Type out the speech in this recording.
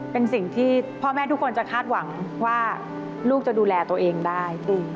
เป็นสิ่งที่พ่อแม่ทุกคนจะคาดหวังว่าลูกจะดูแลตัวเองได้